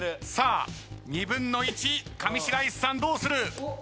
さあ２分の１上白石さんどうする？